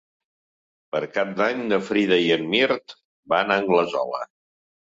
Per Cap d'Any na Frida i en Mirt van a Anglesola.